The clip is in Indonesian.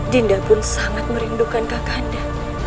dinda pun sangat merindukan kak kanda